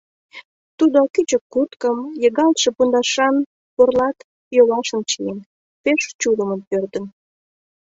Тудо кӱчык курткым, йыгалтше пундашан порлат йолашым чиен, пеш чулымын пӧрдын.